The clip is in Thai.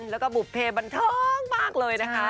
แล้วก็บุภเพบันเทิงมากเลยนะคะ